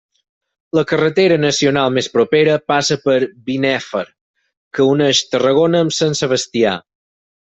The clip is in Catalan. La carretera nacional més propera passa per Binéfar, que uneix Tarragona amb Sant Sebastià.